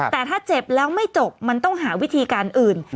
แต่ถ้าเจ็บแล้วไม่จบมันต้องหาวิธีการอื่น